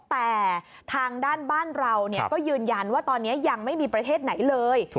แต่ทางด้านบ้านเราก็ยืนยันว่าตอนนี้ยังไม่มีประเทศไหนเลย